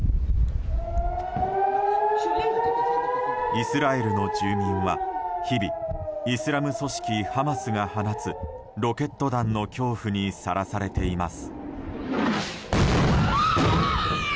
イスラエルの住民は日々イスラム組織ハマスが放つロケット弾の恐怖にさらされています。